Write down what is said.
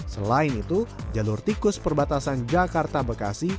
selain itu jalur tikus perbatasan jakarta bekasi